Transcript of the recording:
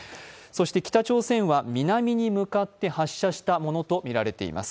北朝鮮は南に向かって発射したものとみられます。